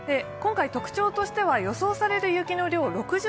今回特徴としては予想される雪の量６０ｃｍ